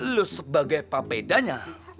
lu sebagai papedanya